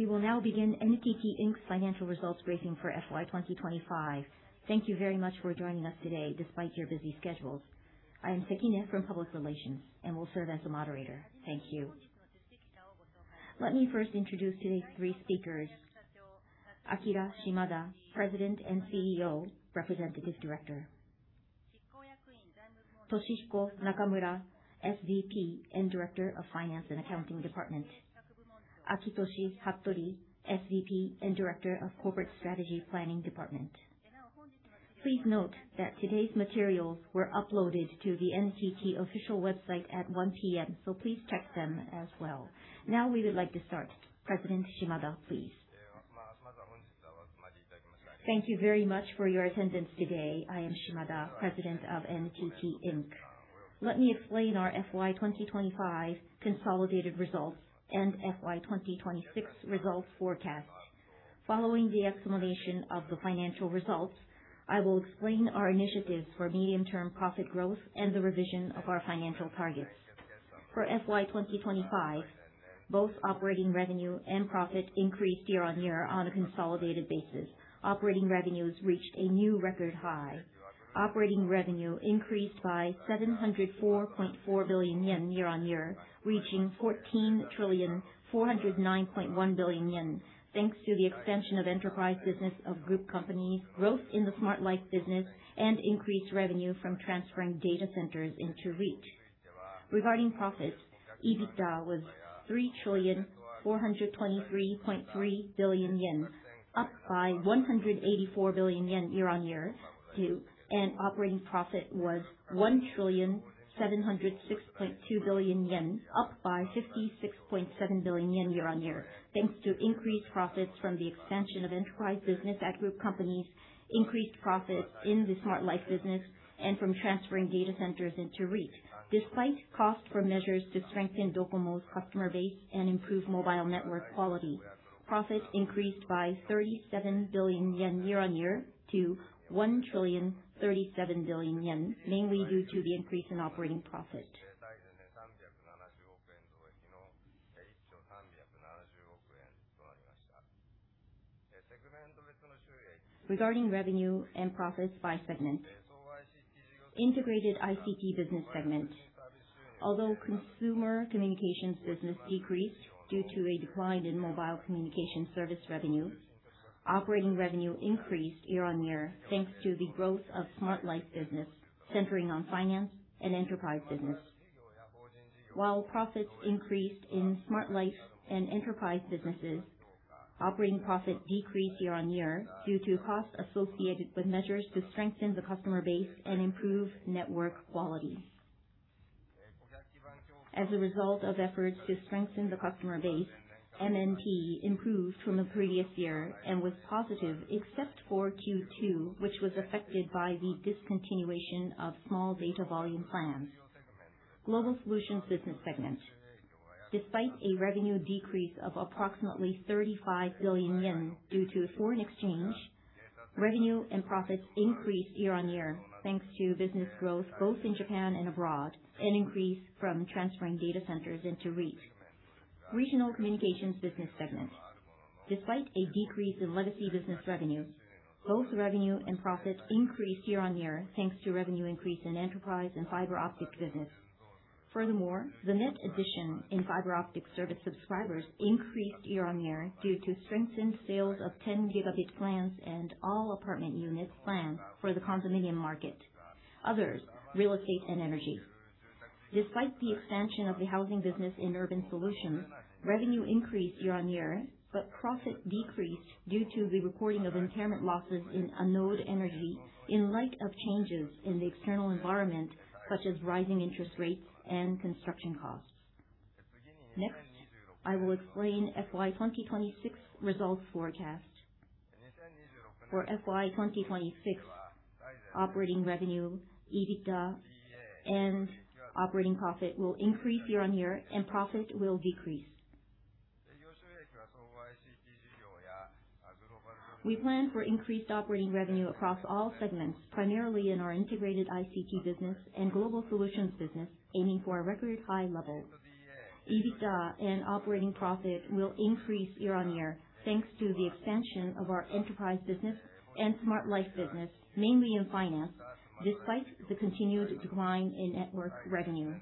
We will now begin NTT, Inc.'s financial results briefing for FY 2025. Thank you very much for joining us today despite your busy schedules. I am Sekine from Public Relations and will serve as the moderator. Thank you. Let me first introduce today's three speakers. Akira Shimada, President and CEO, Representative Director. Toshihiko Nakamura, SVP and Director of Finance and Accounting Department. Akitoshi Hattori, SVP and Director of Corporate Strategy Planning Department. Please note that today's materials were uploaded to the NTT official website at 1:00 P.M., so please check them as well. Now we would like to start. President Shimada, please. Thank you very much for your attendance today. I am Shimada, President of NTT, Inc. Let me explain our FY 2025 consolidated results and FY 2026 results forecast. Following the explanation of the financial results, I will explain our initiatives for medium-term profit growth and the revision of our financial targets. For FY 2025, both operating revenue and profit increased year-on-year on a consolidated basis. Operating revenues reached a new record high. Operating revenue increased by 704.4 billion yen year-on-year, reaching 14,409.1 billion yen, thanks to the expansion of enterprise business of group companies, growth in the Smart Life business, and increased revenue from transferring data centers into REIT. Regarding profits, EBITDA was 3,423.3 billion yen, up by 184 billion yen year-on-year, and operating profit was 1,706.2 billion yen, up by 56.7 billion yen year-on-year, thanks to increased profits from the expansion of enterprise business at group companies, increased profits in the Smart Life business, and from transferring data centers into REIT. Despite cost for measures to strengthen DOCOMO's customer base and improve mobile network quality, profit increased by 37 billion yen year-on-year to 1,037 billion yen, mainly due to the increase in operating profit. Regarding revenue and profits by segment. Integrated ICT Business segment. Although consumer communications business decreased due to a decline in mobile communication service revenue, operating revenue increased year-on-year thanks to the growth of Smart Life business centering on finance and enterprise business. While profits increased in Smart Life and Enterprise businesses, operating profit decreased year-on-year due to costs associated with measures to strengthen the customer base and improve network quality. As a result of efforts to strengthen the customer base, NTT improved from the previous year and was positive except for Q2, which was affected by the discontinuation of small data volume plans. Global Solutions Business segment. Despite a revenue decrease of approximately 35 billion yen due to foreign exchange, revenue and profits increased year-on-year, thanks to business growth both in Japan and abroad, and increase from transferring data centers into REIT. Regional Communications Business segment. Despite a decrease in legacy business revenue, both revenue and profit increased year-on-year, thanks to revenue increase in enterprise and fiber optic business. Furthermore, the net addition in fiber optic service subscribers increased year-on-year due to strengthened sales of 10 Gb plans and all apartment units planned for the condominium market. Others, real estate and energy. Despite the expansion of the housing business in urban solutions, revenue increased year-on-year, but profit decreased due to the recording of impairment losses in Anode Energy in light of changes in the external environment, such as rising interest rates and construction costs. Next, I will explain FY 2026 results forecast. For FY 2026, operating revenue, EBITDA and operating profit will increase year-on-year and profit will decrease. We plan for increased operating revenue across all segments, primarily in our Integrated ICT Business and Global Solutions Business, aiming for a record high level. EBITDA and operating profit will increase year-on-year, thanks to the expansion of our Enterprise business and Smart Life business, mainly in finance, despite the continued decline in network revenue.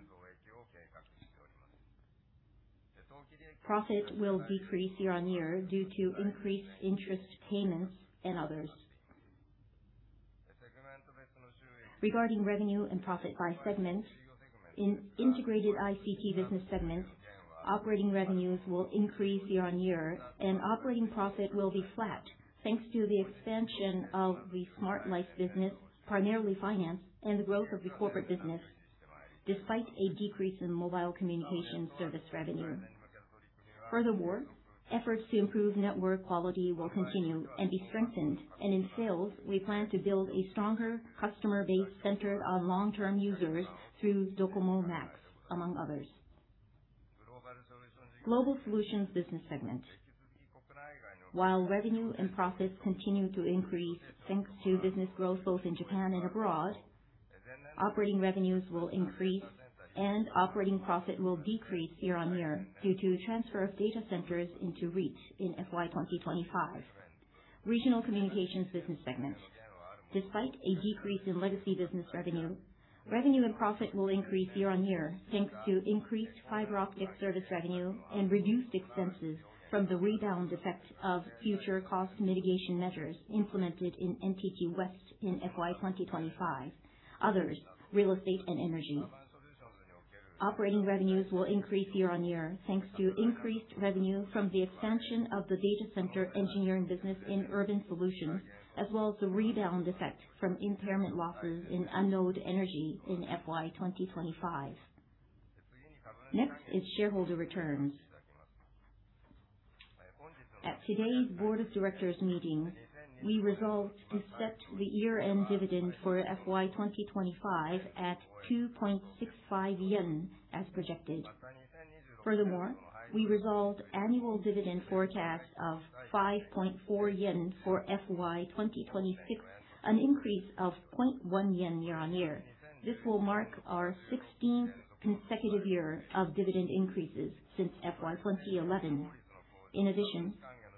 Profit will decrease year-on-year due to increased interest payments and others. Regarding revenue and profit by segment. In Integrated ICT Business segment, operating revenues will increase year-on-year and operating profit will be flat, thanks to the expansion of the Smart Life business, primarily finance, and the growth of the corporate business, despite a decrease in mobile communication service revenue. Efforts to improve network quality will continue and be strengthened. In sales, we plan to build a stronger customer base center of long-term users through DOCOMO Max, among others. Global Solutions Business segment. While revenue and profits continue to increase thanks to business growth both in Japan and abroad. Operating revenues will increase and operating profit will decrease year-on-year due to transfer of data centers into REIT in FY 2025. Regional Communications Business segment. Despite a decrease in legacy business revenue and profit will increase year-on-year thanks to increased fiber optic service revenue and reduced expenses from the rebound effect of future cost mitigation measures implemented in NTT West in FY 2025. Others, real estate and energy. Operating revenues will increase year-on-year thanks to increased revenue from the expansion of the data center engineering business in urban solutions, as well as the rebound effect from impairment losses in NTT Anode Energy in FY 2025. Next is shareholder returns. At today's board of directors meeting, we resolved to set the year-end dividend for FY 2025 at 2.65 yen as projected. We resolved annual dividend forecast of 5.4 yen for FY 2026, an increase of 0.1 yen year-on-year. This will mark our 16th consecutive year of dividend increases since FY 2011.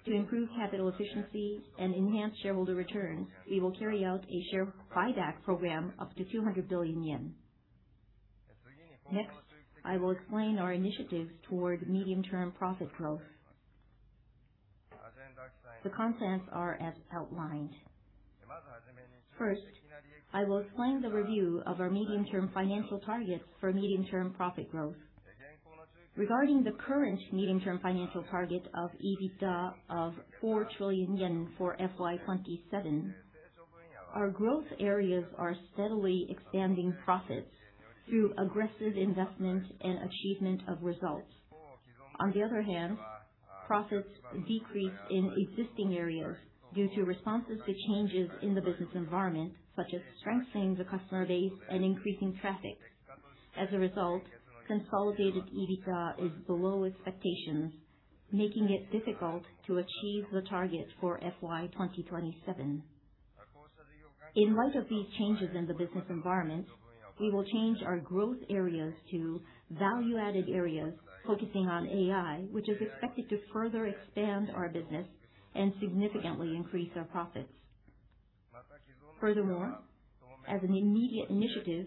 To improve capital efficiency and enhance shareholder returns, we will carry out a share buyback program up to 200 billion yen. I will explain our initiatives toward medium-term profit growth. The contents are as outlined. I will explain the review of our medium-term financial targets for medium-term profit growth. Regarding the current medium-term financial target of EBITDA of 4 trillion yen for FY 2027, our growth areas are steadily expanding profits through aggressive investment and achievement of results. On the other hand, profits decrease in existing areas due to responses to changes in the business environment, such as strengthening the customer base and increasing traffic. As a result, consolidated EBITDA is below expectations, making it difficult to achieve the target for FY 2027. In light of these changes in the business environment, we will change our growth areas to value-added areas focusing on AI, which is expected to further expand our business and significantly increase our profits. As an immediate initiative,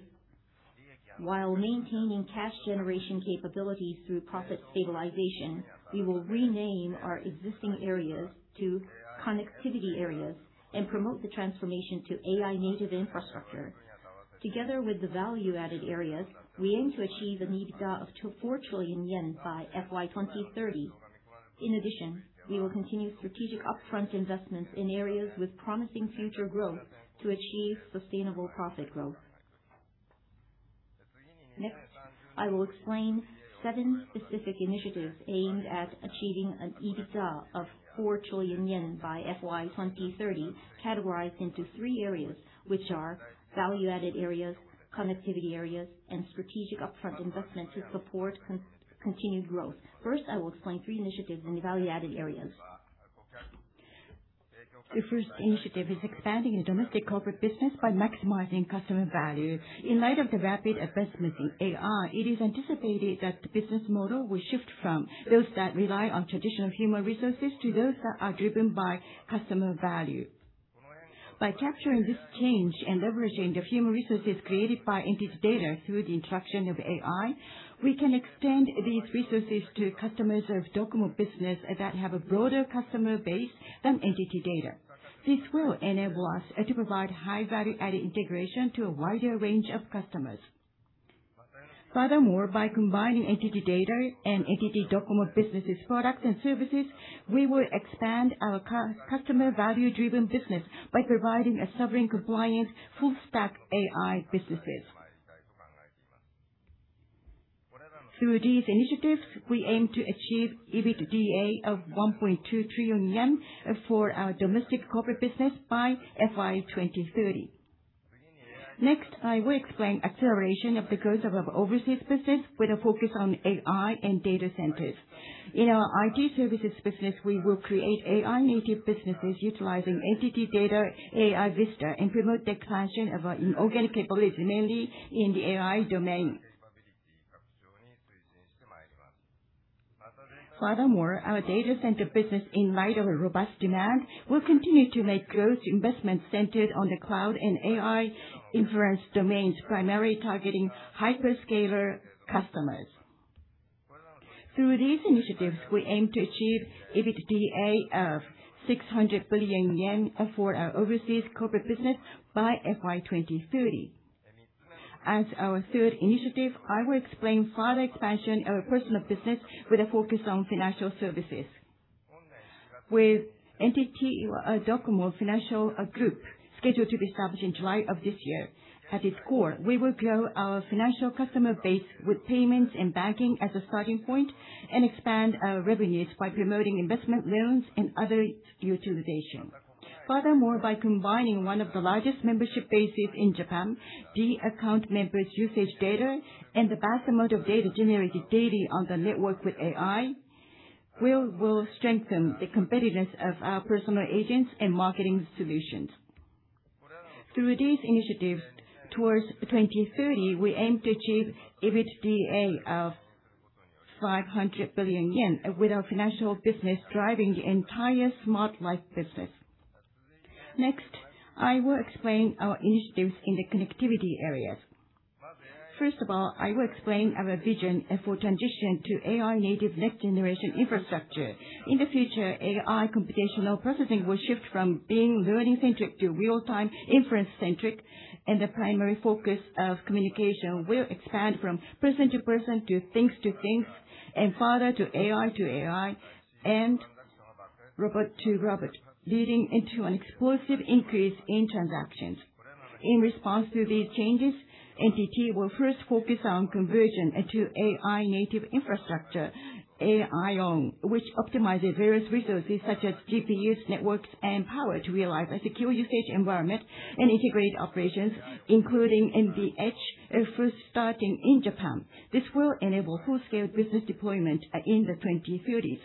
while maintaining cash generation capabilities through profit stabilization, we will rename our existing areas to connectivity areas and promote the transformation to AI-native infrastructure. Together with the value-added areas, we aim to achieve an EBITDA of 4 trillion yen by FY 2030. In addition, we will continue strategic upfront investments in areas with promising future growth to achieve sustainable profit growth. Next, I will explain seven specific initiatives aimed at achieving an EBITDA of 4 trillion yen by FY 2030, categorized into three areas, which are value-added areas, connectivity areas, and strategic upfront investment to support continued growth. First, I will explain three initiatives in the value-added areas. The first initiative is expanding the domestic corporate business by maximizing customer value. In light of the rapid advancements in AI, it is anticipated that the business model will shift from those that rely on traditional human resources to those that are driven by customer value. By capturing this change and leveraging the human resources created by NTT DATA through the introduction of AI, we can extend these resources to customers of DOCOMO business that have a broader customer base than NTT DATA. This will enable us to provide high value-added integration to a wider range of customers. Furthermore, by combining NTT DATA and NTT DOCOMO businesses products and services, we will expand our customer value-driven business by providing a sovereign compliant full stack AI businesses. Through these initiatives, we aim to achieve EBITDA of 1.2 trillion yen for our domestic corporate business by FY 2030. Next, I will explain acceleration of the growth of our overseas business with a focus on AI and data centers. In our IT services business, we will create AI-native businesses utilizing NTT DATA AIVista, and promote the expansion of our inorganic capabilities, mainly in the AI domain. Furthermore, our data center business, in light of a robust demand, will continue to make growth investments centered on the cloud and AI inference domains, primarily targeting hyperscaler customers. Through these initiatives, we aim to achieve EBITDA of 600 billion yen for our overseas corporate business by FY 2030. As our third initiative, I will explain further expansion of our personal business with a focus on financial services. With NTT DOCOMO Financial Group scheduled to be established in July of this year. At its core, we will grow our financial customer base with payments and banking as a starting point, and expand our revenues by promoting investment loans and other utilization. Furthermore, by combining one of the largest membership bases in Japan, the account members' usage data, and the vast amount of data generated daily on the network with AI. Will strengthen the competitiveness of our personal agents and marketing solutions. Through these initiatives, towards 2030, we aim to achieve EBITDA of 500 billion yen, with our financial business driving the entire Smart Life business. I will explain our initiatives in the connectivity areas. I will explain our vision for transition to AI-native, next-generation infrastructure. In the future, AI computational processing will shift from being learning-centric to real-time inference-centric, and the primary focus of communication will expand from person to person, to things to things, and further to AI to AI, and robot to robot, leading into an explosive increase in transactions. In response to these changes, NTT will first focus on conversion into AI-native infrastructure, IOWN, which optimizes various resources such as GPUs, networks, and power to realize a secure usage environment and integrate operations, including in the edge, first starting in Japan. This will enable full-scale business deployment in the 2030s.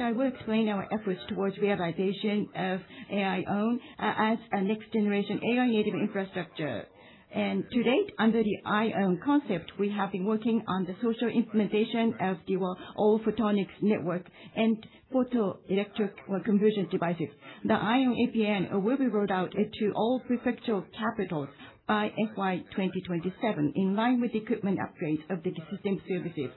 I will explain our efforts towards realization of IOWN as a next-generation AI-native infrastructure. To date, under the IOWN concept, we have been working on the social implementation of the all-photonic network and photo-electric conversion devices. The IOWN APN will be rolled out into all prefectural capitals by FY 2027, in line with the equipment upgrades of the existing services.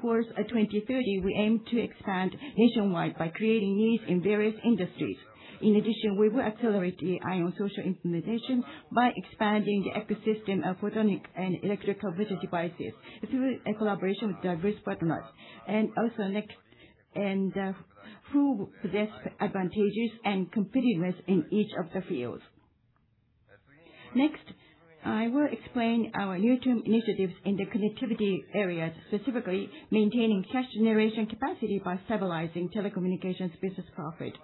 Towards 2030, we aim to expand nationwide by creating needs in various industries. In addition, we will accelerate the IOWN social implementation by expanding the ecosystem of photonic and electric conversion devices through a collaboration with diverse partners who possess advantages and competitiveness in each of the fields. I will explain our near-term initiatives in the connectivity areas, specifically maintaining cash generation capacity by stabilizing telecommunications business profit.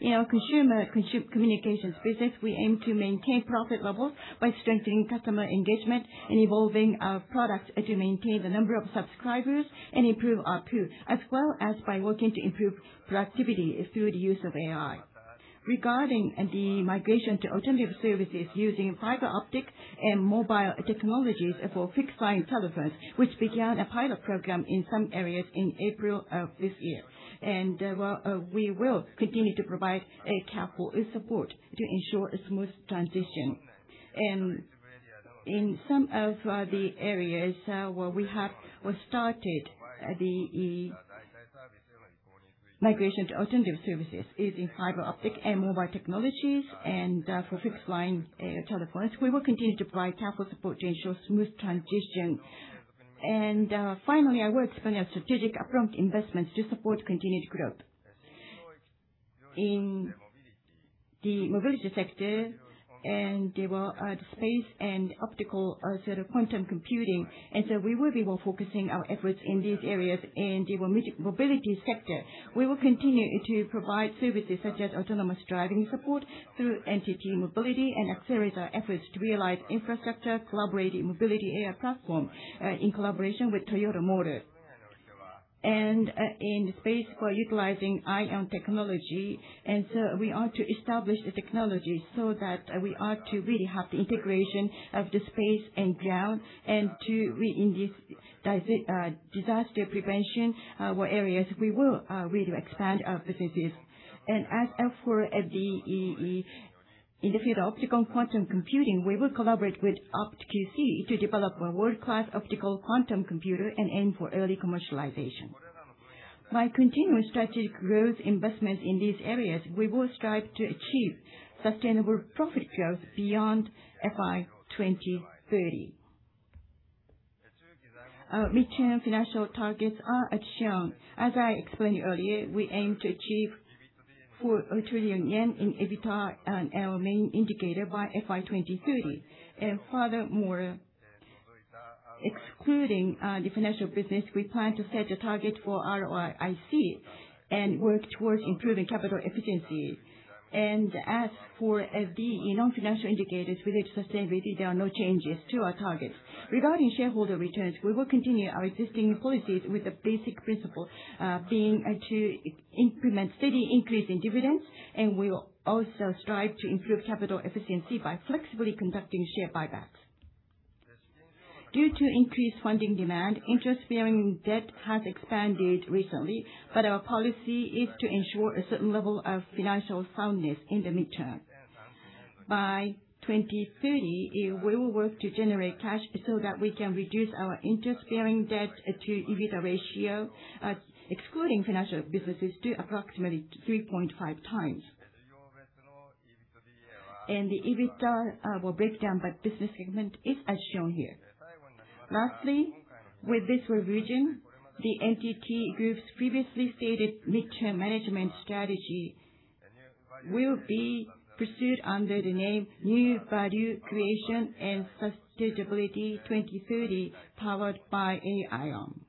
In our consumer communications business, we aim to maintain profit levels by strengthening customer engagement and evolving our products to maintain the number of subscribers and improve ARPU, as well as by working to improve productivity through the use of AI. Regarding the migration to alternative services using fiber optic and mobile technologies for fixed line telephones, which began a pilot program in some areas in April of this year. We will continue to provide capital support to ensure a smooth transition. In some of the areas where we have started the migration to alternative services using fiber optic and mobile technologies for fixed line telephones, we will continue to provide capital support to ensure smooth transition. Finally, I will explain our strategic upfront investments to support continued growth. In the mobility sector and, well, the space and optical sort of quantum computing. We will be more focusing our efforts in these areas. In the mobility sector, we will continue to provide services such as autonomous driving support through NTT Mobility and accelerate our efforts to realize infrastructure collaborating Mobility AI Platform in collaboration with Toyota Motor. In space for utilizing IOWN technology, we are to establish the technology so that we are to really have the integration of the space and ground, and to re-introduce disaster prevention areas, we will really expand our businesses. As for the in the field of optical quantum computing, we will collaborate with OptQC to develop a world-class optical quantum computer and aim for early commercialization. By continuous strategic growth investments in these areas, we will strive to achieve sustainable profit growth beyond FY 2030. Our mid-term financial targets are as shown. As I explained earlier, we aim to achieve 4 trillion yen in EBITDA, our main indicator, by FY 2030. Furthermore, excluding the financial business, we plan to set a target for ROIC and work towards improving capital efficiency. As for the non-financial indicators related to sustainability, there are no changes to our targets. Regarding shareholder returns, we will continue our existing policies with the basic principle being to implement steady increase in dividends, and we will also strive to improve capital efficiency by flexibly conducting share buybacks. Due to increased funding demand, interest-bearing debt has expanded recently, but our policy is to ensure a certain level of financial soundness in the mid-term. By 2030, we will work to generate cash so that we can reduce our interest-bearing debt to EBITDA ratio, excluding financial businesses, to approximately 3.5x. The EBITDA will break down by business segment is as shown here. Lastly, with this revision, the NTT Group's previously stated mid-term management strategy will be pursued under the name New value creation & Sustainability 2030, powered by IOWN.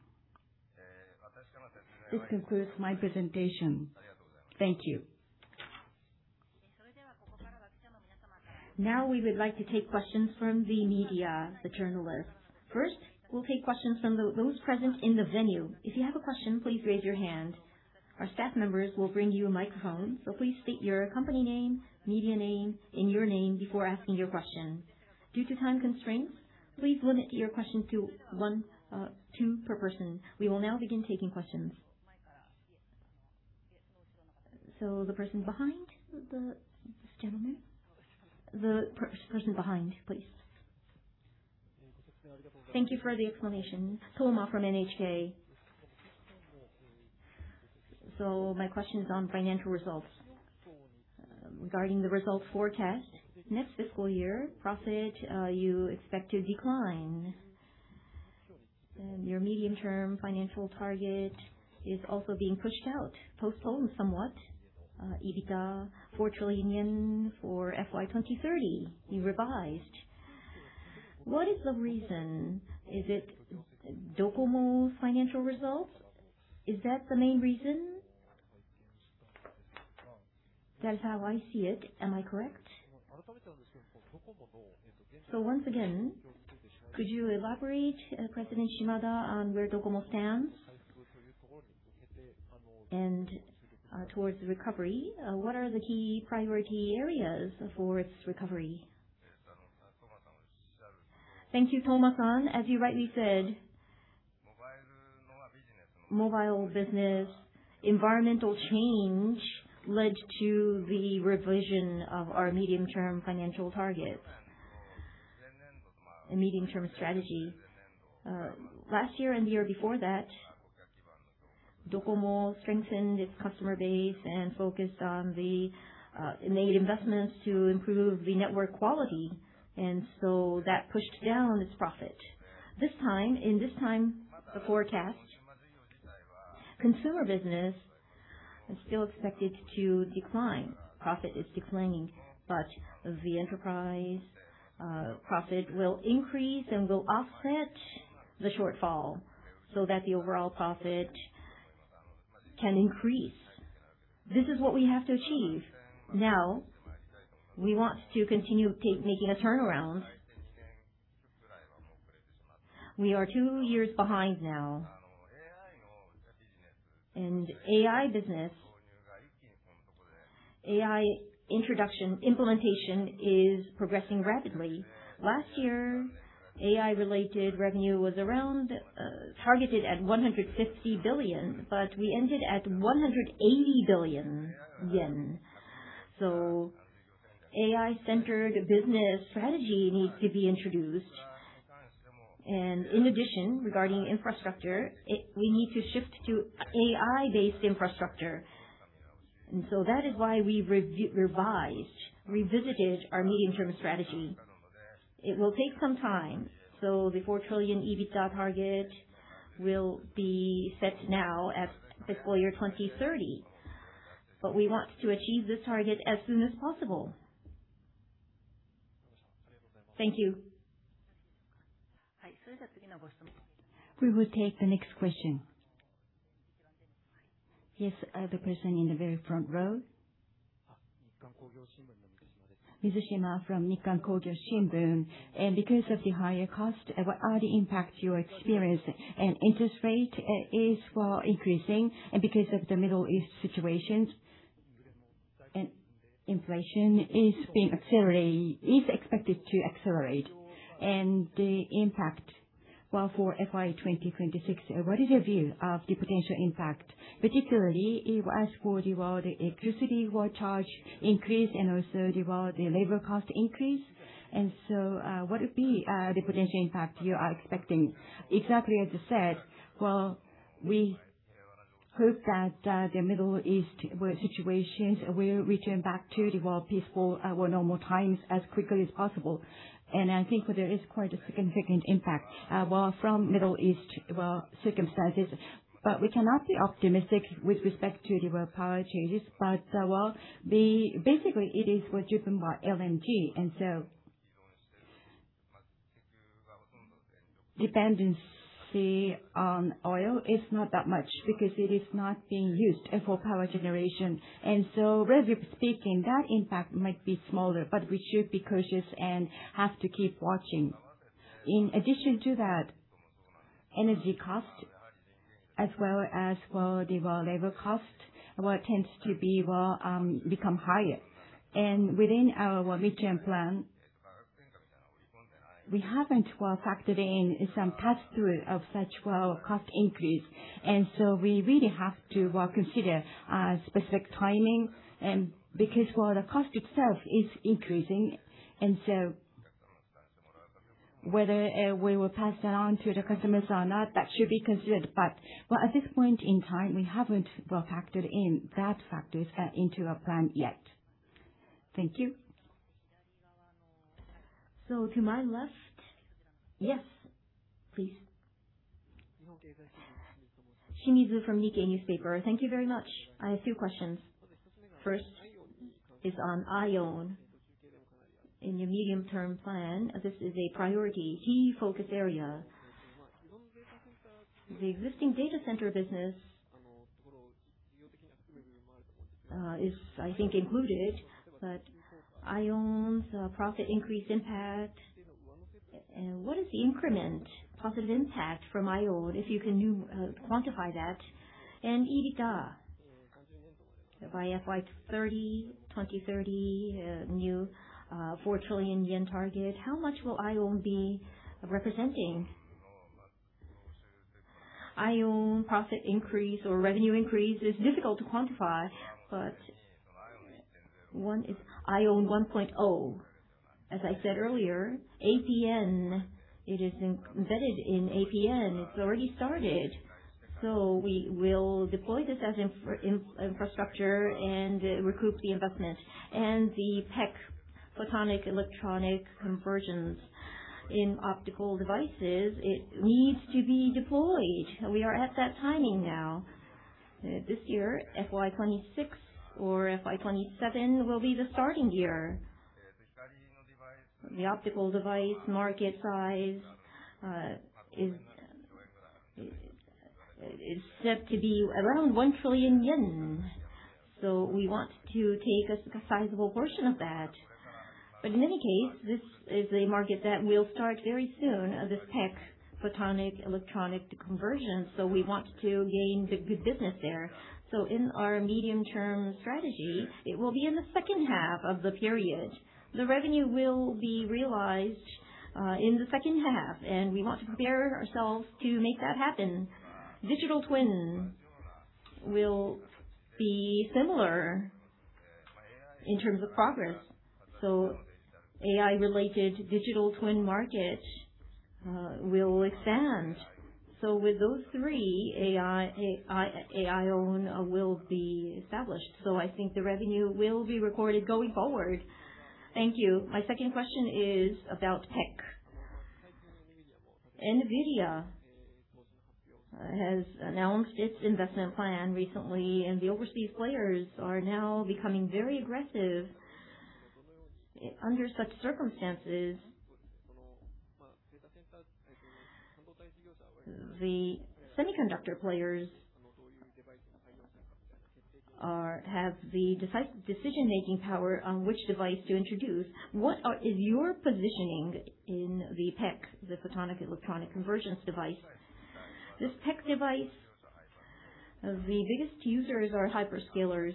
This concludes my presentation. Thank you. We would like to take questions from the media, the journalists. We'll take questions from those present in the venue. If you have a question, please raise your hand. Our staff members will bring you a microphone. Please state your company name, media name, and your name before asking your question. Due to time constraints, please limit your questions to one or two per person. We will now begin taking questions. The person behind this gentleman. The person behind, please. Thank you for the explanation. Toma from NHK. My question is on financial results. Regarding the results forecast, next fiscal year, profit, you expect to decline. Your medium-term financial target is also being pushed out, postponed somewhat. EBITDA, 4 trillion yen for FY 2030, you revised. What is the reason? Is it DOCOMO's financial results? Is that the main reason? That's how I see it. Am I correct? Once again, could you elaborate, President Shimada, on where DOCOMO stands? Towards the recovery, what are the key priority areas for its recovery? Thank you, Toma-san. As you rightly said, mobile business environmental change led to the revision of our medium-term financial target and medium-term strategy. Last year and the year before that, DOCOMO strengthened its customer base and focused on the, it made investments to improve the network quality, that pushed down its profit. This time, the forecast, consumer business is still expected to decline. Profit is declining, the enterprise profit will increase and will offset the shortfall the overall profit can increase. This is what we have to achieve. Now, we want to continue making a turnaround. We are two years behind now. AI business, AI introduction, implementation is progressing rapidly. Last year, AI-related revenue was around targeted at 150 billion, but we ended at 180 billion yen. AI-centered business strategy needs to be introduced. In addition, regarding infrastructure, we need to shift to AI-based infrastructure. That is why we revised, revisited our medium-term strategy. It will take some time, so the 4 trillion EBITDA target will be set now at FY 2030. We want to achieve this target as soon as possible. Thank you. We will take the next question. The person in the very front row. Mizushima from Nikkan Kogyo Shimbun. Because of the higher cost, what are the impacts you experience? Interest rate is, well, increasing, and because of the Middle East situations. Inflation is being accelerated, is expected to accelerate. The impact, well, for FY 2026, what is your view of the potential impact? Particularly as for the, well, electricity will charge increase and also the, well, the labor cost increase. What would be the potential impact you are expecting? Exactly as you said. We hope that the Middle East situations will return back to the peaceful, normal times as quickly as possible. I think there is quite a significant impact from Middle East circumstances. We cannot be optimistic with respect to the power changes. Basically, it is driven by LNG, and so dependency on oil is not that much because it is not being used for power generation. Relatively speaking, that impact might be smaller, but we should be cautious and have to keep watching. In addition to that, energy cost as well as the labor cost tends to be become higher. Within our mid-term plan, we haven't factored in some pass-through of such cost increase. We really have to, well, consider specific timing, because, well, the cost itself is increasing. Whether we will pass that on to the customers or not, that should be considered. At this point in time, we haven't, well, factored in that factor into our plan yet. Thank you. To my left. Yes, please. Shimizu from The Nikkei newspaper. Thank you very much. I have two questions. First is on IOWN. In your medium-term plan, this is a priority key focus area. The existing data center business- ...is, I think, included. IOWN's profit increase impact. What is the increment positive impact from IOWN, if you can quantify that? EBITDA, by FY 2030, new 4 trillion yen target, how much will IOWN be representing? IOWN profit increase or revenue increase is difficult to quantify, one is IOWN 1.0. As I said earlier, APN, it is embedded in APN. It's already started. We will deploy this as infrastructure and recoup the investment. The PEC, photonic-electronic convergence in optical devices, it needs to be deployed. We are at that timing now. This year, FY 2026 or FY 2027 will be the starting year. The optical device market size is said to be around 1 trillion yen. We want to take a sizable portion of that. In any case, this is a market that will start very soon, this PEC, photonic-electronic convergence, we want to gain good business there. In our medium-term strategy, it will be in the second half of the period. The revenue will be realized in the second half, and we want to prepare ourselves to make that happen. Digital twin will be similar in terms of progress. AI-related digital twin market will expand. With those three, AI, IOWN will be established. I think the revenue will be recorded going forward. Thank you. My second question is about PEC. NVIDIA has announced its investment plan recently, and the overseas players are now becoming very aggressive. Under such circumstances, the semiconductor players have the decision-making power on which device to introduce? Is your positioning in the PEC, the photonic-electronic convergence device? This PEC device, the biggest users are hyperscalers.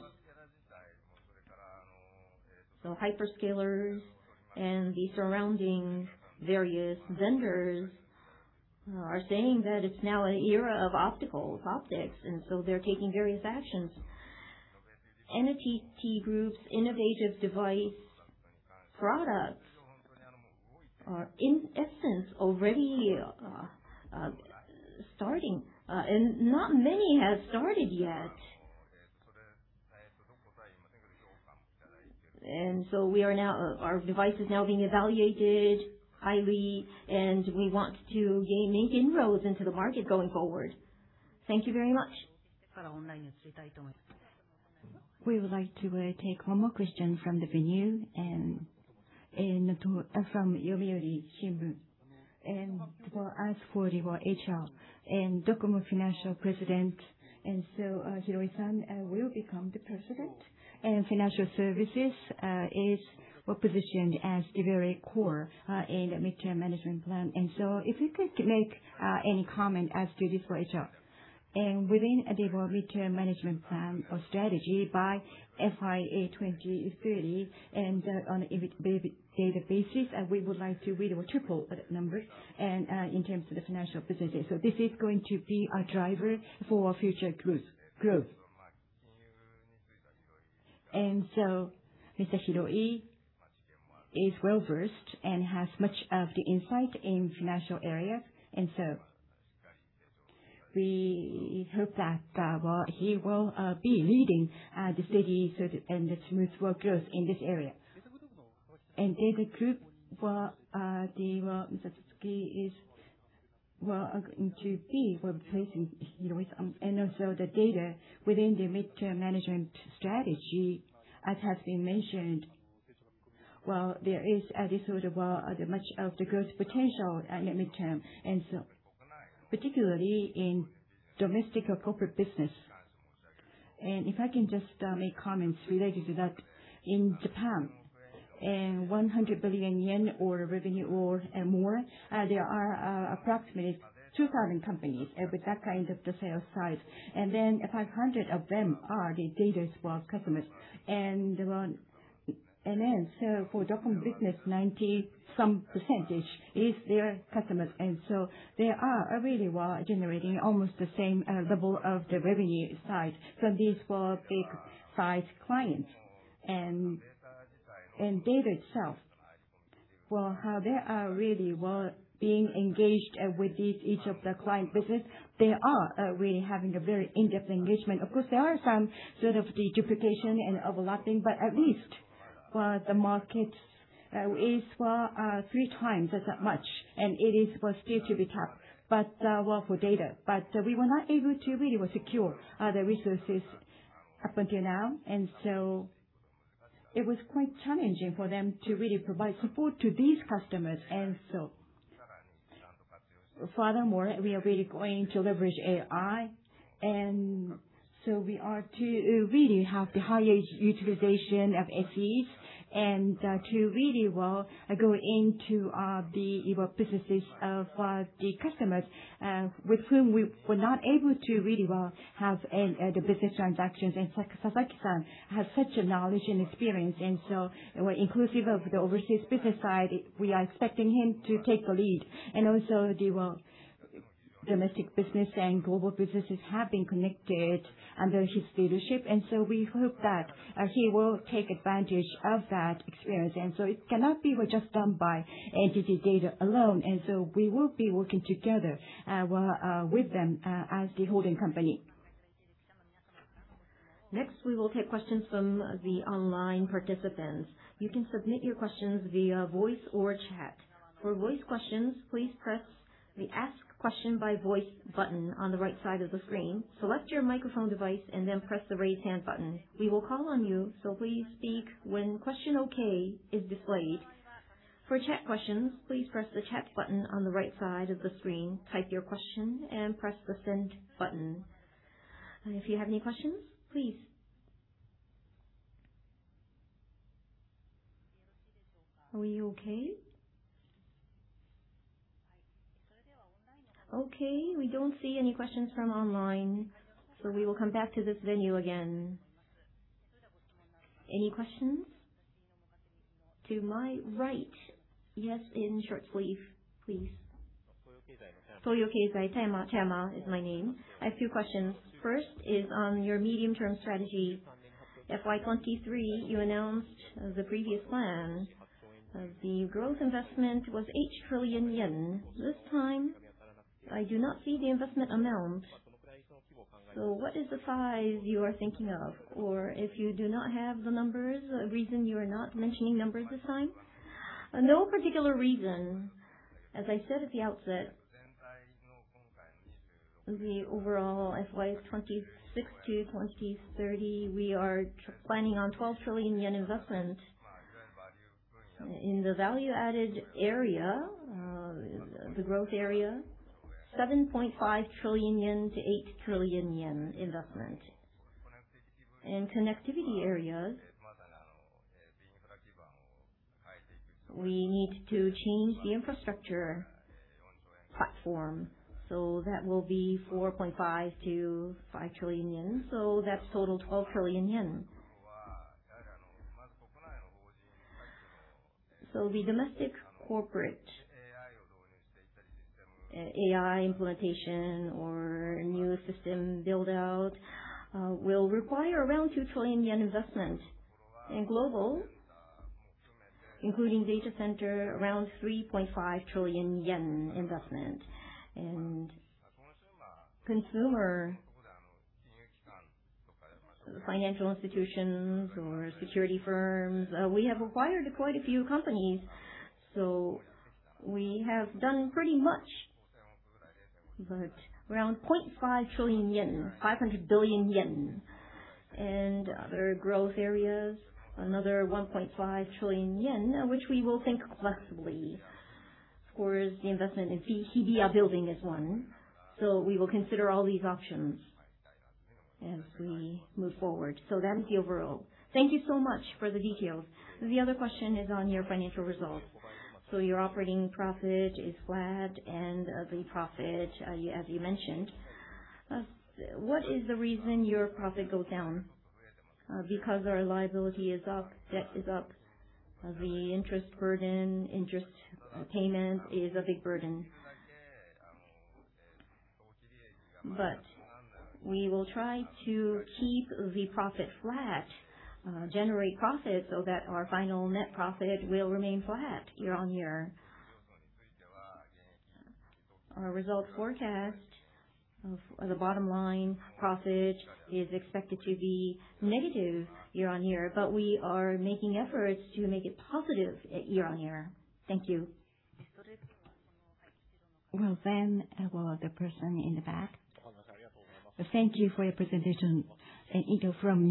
Hyperscalers and the surrounding various vendors are saying that it's now an era of optical, optics, they're taking various actions. NTT Group's innovative device products are in essence already starting, not many have started yet. We are now, our device is now being evaluated highly, we want to gain, make inroads into the market going forward. Thank you very much. We would like to take one more question from the venue and to from Yomiuri Shimbun. For ask for the HR and DOCOMO Financial President. Hiroi-san will become the President. Financial services is positioned as the very core in the mid-term management plan. If you could make any comment as to this for HR. Within the mid-term management plan or strategy by FY 2030, on a year-year-year basis, we would like to triple that number in terms of the financial businesses. This is going to be a driver for future growth. Mr. Hiroi is well-versed and has much of the insight in financial area. We hope that, well, he will be leading the steady sort of, and the smooth growth in this area. NTT DATA Group, well, they will, Mr. Yutaka Sasaki is, well, going to be replacing Takashi Hiroi. The NTT DATA within the mid-term management strategy, as has been mentioned, well, there is a sort of much of the growth potential in the mid-term, particularly in domestic or corporate business. If I can just make comments related to that. In Japan, 100 billion yen or revenue or more, there are approximately 2,000 companies with that kind of the sales size. 500 of them are the NTT DATA's, well, customers. For DOCOMO business, 90-some percentage is their customers. They are really, well, generating almost the same level of the revenue side from these, well, big size clients. NTT DATA itself, well, they are really, well, being engaged with each of the client business. They are really having a very in-depth engagement. Of course, there are some sort of duplication and overlapping, but at least, well, the market is, well, 3x as much, and it is, well, still to be tapped. For NTT DATA. We were not able to really, well, secure the resources up until now. It was quite challenging for them to really provide support to these customers. Furthermore, we are really going to leverage AI. We are to really have the higher utilization of SEs and to really well go into the well, businesses of the customers with whom we were not able to really well have the business transactions. Sasaki-san has such a knowledge and experience, and so inclusive of the overseas business side, we are expecting him to take the lead. The well, domestic business and global businesses have been connected under his leadership, and so we hope that he will take advantage of that experience. It cannot be, well, just done by NTT DATA alone. We will be working together, well, with them as the holding company. Next, we will take questions from the online participants. You can submit your questions via voice or chat. For voice questions, please press the Ask Question by Voice button on the right side of the screen, select your microphone device and then press the Raise Hand button. We will call on you, so please speak when Question OK is displayed. For chat questions, please press the Chat button on the right side of the screen, type your question and press the Send button. If you have any questions, please. Are we okay? Okay, we don't see any questions from online. We will come back to this venue again. Any questions? To my right. Yes, in short sleeve, please. Toyo Keizai, Tama. Tama is my name. I have two questions. First is on your medium-term strategy. FY 2023, you announced the previous plan. The growth investment was 8 trillion yen. This time, I do not see the investment amount. What is the size you are thinking of? Or if you do not have the numbers, reason you are not mentioning numbers this time? No particular reason. As I said at the outset, the overall FY 2026 to 2030, we are planning on 12 trillion yen investment. In the value-added area, the growth area, 7.5 trillion-8 trillion yen investment. In connectivity areas, we need to change the infrastructure platform, that will be 4.5 trillion-5 trillion yen, that's total 12 trillion yen. The domestic corporate AI implementation or new system build-out will require around 2 trillion yen investment. In global, including data center, around 3.5 trillion yen investment. Consumer, financial institutions or security firms, we have acquired quite a few companies, so we have done pretty much, but around 0.5 trillion yen, 500 billion yen. Other growth areas, another 1.5 trillion yen, which we will think flexibly. The investment in Hibiya Building is one. We will consider all these options as we move forward. That is the overall. Thank you so much for the details. The other question is on your financial results. Your operating profit is flat and the profit, as you mentioned. What is the reason your profit goes down? Because our liability is up, debt is up. The interest burden, interest payment is a big burden. We will try to keep the profit flat, generate profit so that our final net profit will remain flat year-on-year. Our results forecast of the bottom-line profit is expected to be negative year-on-year, but we are making efforts to make it positive year-on-year. Thank you. The person in the back. Thank you for your presentation. Ito from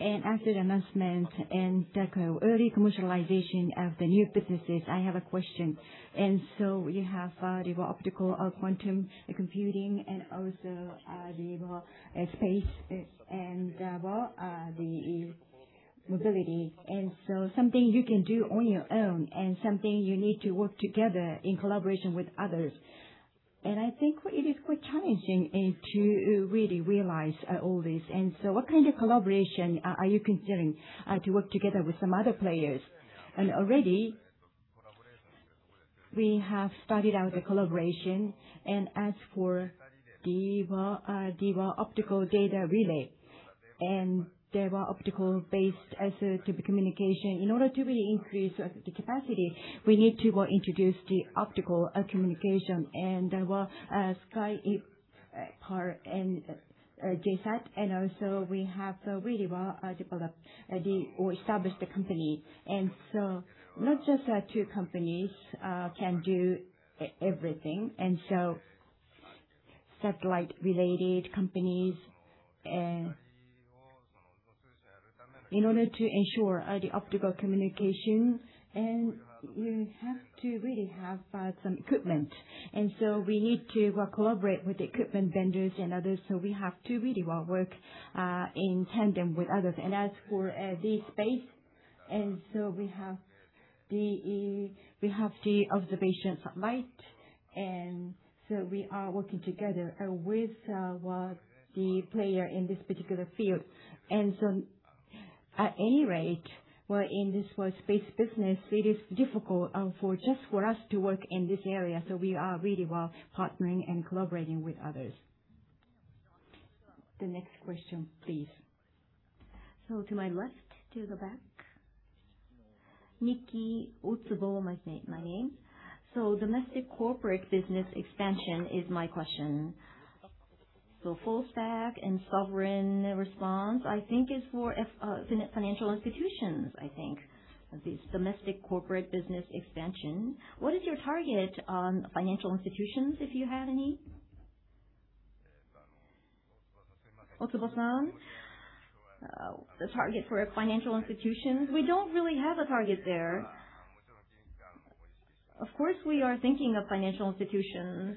NewsPicks. After the announcement and the early commercialization of the new businesses, I have a question. You have the optical quantum computing and also the space and the mobility. Something you can do on your own and something you need to work together in collaboration with others. I think it is quite challenging to really realize all this. What kind of collaboration are you considering to work together with some other players? Already we have started out the collaboration. As for the, well, optical data relay and the, well, optical-based to communication, in order to really increase the capacity, we need to, well, introduce the optical communication and, well, SKY Perfect JSAT. We have really, well, developed or established the company. Not just two companies can do everything. Satellite related companies, in order to ensure the optical communication, we have to really have some equipment. We need to collaborate with the equipment vendors and others, so we have to really work in tandem with others. As for the space, we have the observation satellite, we are working together with well, the player in this particular field. At any rate, well, in this whole space business, it is difficult for just for us to work in this area, so we are really, well, partnering and collaborating with others. The next question, please. To my left, to the back. Miki Utsubo, my name. Domestic corporate business expansion is my question. Full stack and sovereign response, I think is for financial institutions, I think. The domestic corporate business expansion. What is your target financial institutions, if you have any? Utsubo-san, the target for financial institutions, we don't really have a target there. Of course, we are thinking of financial institutions,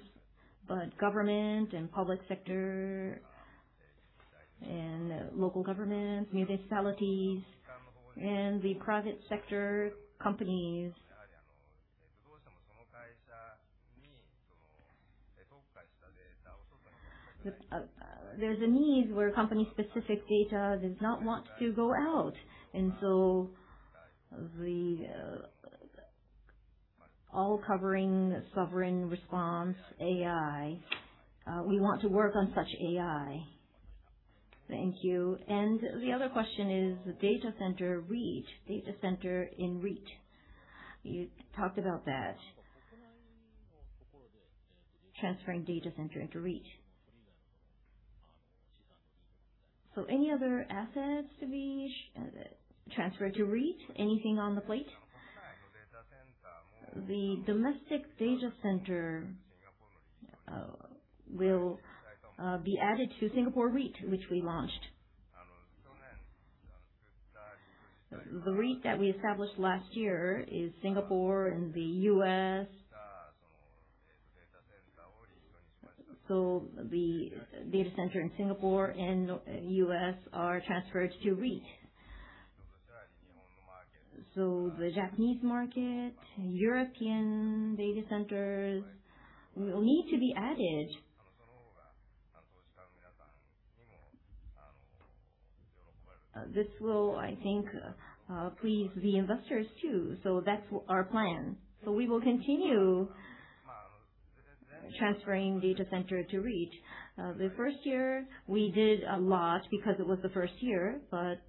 government and public sector and local government, municipalities, and the private sector companies. There's a need where company specific data does not want to go out. The all covering sovereign response AI, we want to work on such AI. Thank you. The other question is data center REIT. You talked about that. Transferring data center into REIT. Any other assets to be transferred to REIT? Anything on the plate? The domestic data center will be added to Singapore REIT, which we launched. The REIT that we established last year is Singapore and the U.S. The data center in Singapore and U.S. are transferred to REIT. The Japanese market, European data centers will need to be added. This will, I think, please the investors too. That's our plan. We will continue transferring data center to REIT. The first year we did a lot because it was the first year, but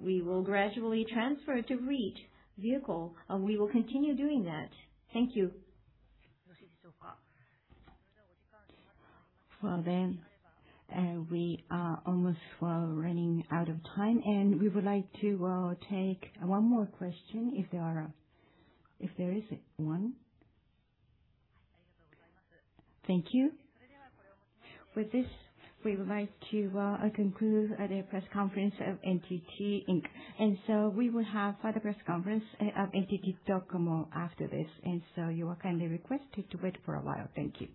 we will gradually transfer to REIT vehicle. We will continue doing that. Thank you. We are almost, well, running out of time, and we would like to take one more question if there are, if there is one. Thank you. With this, we would like to conclude the press conference of NTT, Inc. We will have the press conference of NTT DOCOMO after this. You are kindly requested to wait for a while. Thank you.